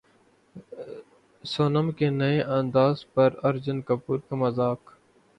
سونم کے نئے انداز پر ارجن کپور کا مذاق